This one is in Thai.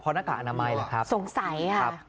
พี่ครับผมเกือบส่องครับ